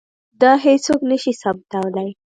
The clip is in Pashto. دا هیڅوک نه شي ثابتولی.